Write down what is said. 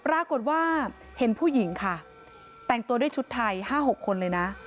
ปรากฏว่าเห็นผู้หญิงค่ะแต่งตัวด้วยชุดไทย๕๖คนเลยนะ